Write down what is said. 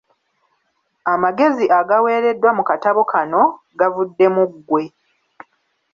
Amagezi agaweereddwa mu katabo kano gavudde mu ggwe.